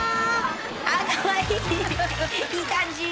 あっかわいいいい感じ！